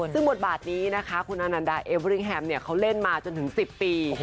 ซึ่งบทบาทนี้นะคะคุณอนันดาเอเวอรี่แฮมเขาเล่นมาจนถึง๑๐ปี